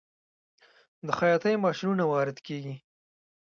د خیاطۍ ماشینونه وارد کیږي؟